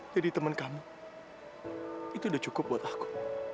jadi teman kamu itu udah cukup buat aku